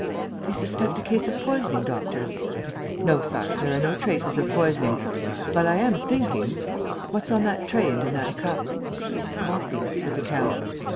"Do you suspect a case of poisoning, doctor?" "No, Sire, there are no traces of poisoning. But I am thinking ... what's on that tray and in that cup?" "Coffee," said the count.